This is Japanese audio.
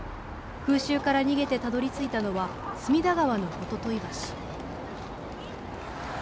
空襲から逃げてたどりついたのは、隅田川の言問橋。